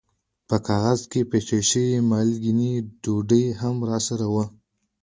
په کاغذ کې د پېچل شوې مالګینې ډوډۍ هم راسره وه.